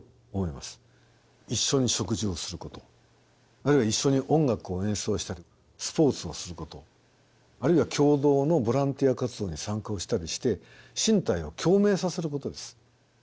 一緒に食事をすることあるいは一緒に音楽を演奏したりスポーツをすることあるいは共同のボランティア活動に参加をしたりして身体を共鳴させることです。